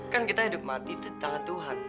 kan kita hidup mati itu di tangan tuhan